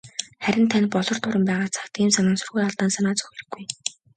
Харин танд "Болор дуран" байгаа цагт ийм санамсаргүй алдаанд санаа зовох хэрэггүй.